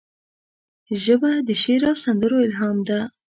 ژبه د شعر او سندرو الهام ده